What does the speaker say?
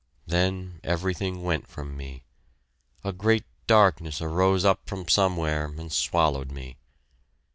Then everything went from me. A great darkness arose up from somewhere and swallowed me!